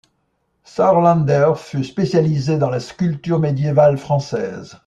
Sauerländer fut spécialisé dans la sculpture médiévale française.